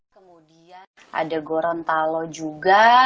kemudian ada gorontalo juga